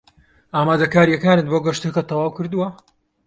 ئامادەکارییەکانت بۆ گەشتەکە تەواو کردووە؟